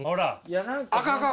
あかんあかん。